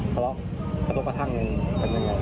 เพราะว่ากระโปรประทั่งยังมันยังไง